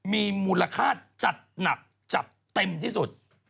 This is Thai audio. มีมูลค่าจัดหนักจัดเต็มที่สุด